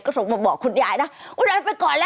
ก็ส่งมาบอกคุณยายนะคุณยายไปก่อนล่ะ